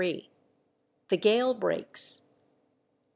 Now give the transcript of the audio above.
THE GALE BREAKS.